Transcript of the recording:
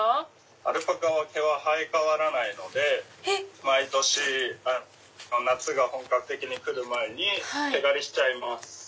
アルパカは毛は生え替わらないので毎年夏が本格的に来る前に毛刈りしちゃいます。